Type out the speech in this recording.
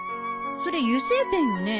それ油性ペンよね？